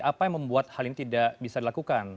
apa yang membuat hal ini tidak bisa dilakukan